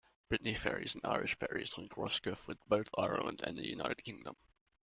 Brittany Ferries and Irish Ferries link Roscoff with both Ireland and the United Kingdom.